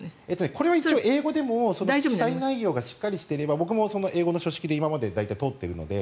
これは英語でも記載内容がしっかりしていたら僕も英語の書式で今まで大体取っているので。